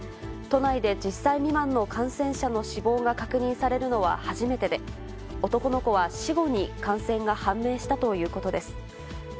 都内で１０歳未満の感染者の死亡が確認されるのは初めてで、男の子は死後に感染が判明したということです。